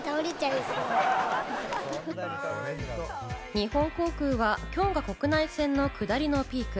日本航空は今日が国内線の下りのピーク。